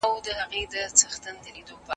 ایا کورني سوداګر وچه میوه ساتي؟